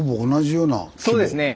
そうですね。